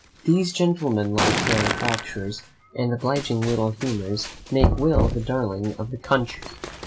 These gentlemen like manufactures and obliging little humours make Will the darling of the country.